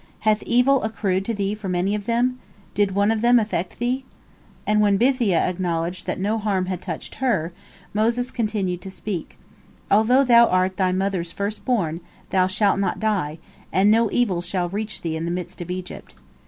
Hath evil accrued to thee from any of them? Did one of them affect thee?" And when Bithiah acknowledged that no harm had touched her, Moses continued to speak, "Although thou art thy mother's first born, thou shalt not die, and no evil shall reach thee in the midst of Egypt."